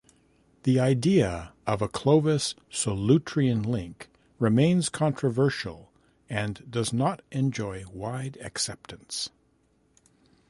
The idea of a Clovis-Solutrean link remains controversial and does not enjoy wide acceptance.